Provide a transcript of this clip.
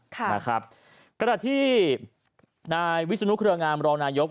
ก็ตั้งแต่ที่นายวิศนุเครืองามรองนายก